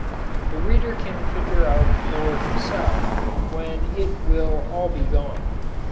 The reader can figure out for himself when it will all be gone.